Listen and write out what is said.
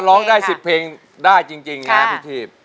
ถ้าร้องได้สิบเพลงได้จริงนะพี่ชีพ